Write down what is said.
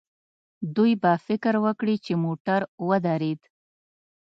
دوی به فکر وکړي چې موټر ودرېد.